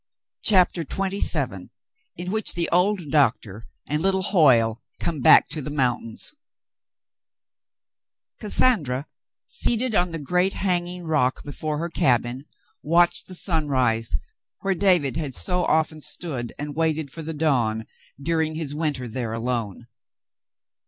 CHAPTER XXVII IN WHICH THE OLD DOCTOR AND LITTLE HOYLE COME BACK TO THE MOUNTAINS Cassandra, seated on the great hanging rock before her cabin, watched the sunrise where David had so often stood and waited for the dawn during his winter there alone.